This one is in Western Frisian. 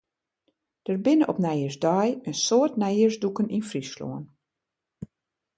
Der binne op nijjiersdei in soad nijjiersdûken yn Fryslân.